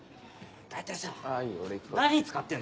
大体さ何に使ってんだよ。